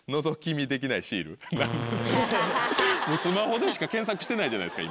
スマホでしか検索してないじゃないですか